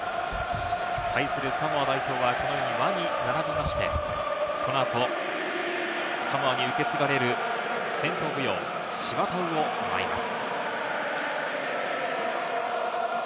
対するサモア代表は輪に並びまして、この後、サモアに受け継がれる戦闘舞踊シヴァタウを舞います。